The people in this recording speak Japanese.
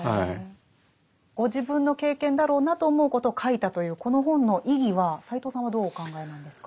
ご自分の経験だろうなと思うことを書いたというこの本の意義は斎藤さんはどうお考えなんですか？